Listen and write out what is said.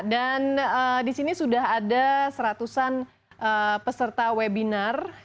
dan disini sudah ada seratusan peserta webinar